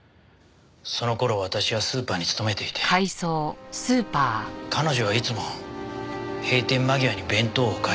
その頃私はスーパーに勤めていて彼女はいつも閉店間際に弁当を買いに来る客でした。